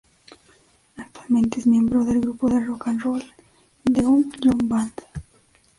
Actualmente es miembro del grupo de Rock and Roll The Uncle Jhon Band.